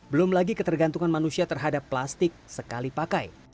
belum lagi ketergantungan manusia terhadap plastik sekali pakai